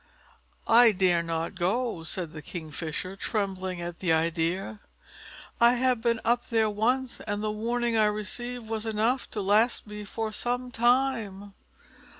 "I dare not go," said the Kingfisher, trembling at the idea; "I have been up there once, and the warning I received was enough to last me for some time."